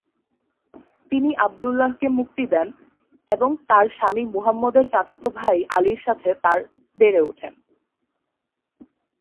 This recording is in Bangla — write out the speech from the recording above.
তিনি আবদুল্লাহকে মুক্তি দেন এবং তাঁর স্বামী মুহাম্মদের চাচাত ভাই আলীর সাথে তাঁর বেড়ে ওঠেন।